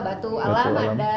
batu alam ada